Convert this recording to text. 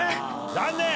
残念！